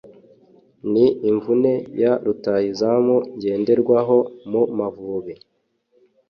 ni imvune ya rutahizamu ngenderwaho mu Mavubi